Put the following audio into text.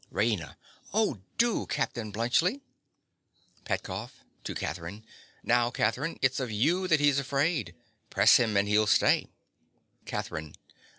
RAINA. Oh, do, Captain Bluntschli. PETKOFF. (to Catherine). Now, Catherine, it's of you that he's afraid. Press him and he'll stay. CATHERINE.